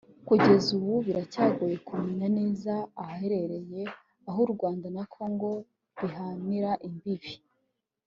Kugeza ubu biracyagoye kumenya neza ahaherereye aho u Rwanda na Congo bihanira imbibi